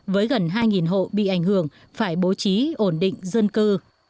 với gần hai hộ bị ảnh hưởng phải bố trí ổn định dân cư